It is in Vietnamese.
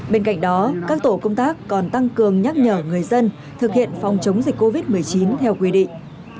bên cạnh đó các tổ công tác còn tăng cường nhắc nhở người dân thực hiện phòng chống dịch covid một mươi chín theo quy định